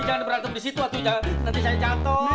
jangan berantem di situ atu nanti saya jatuh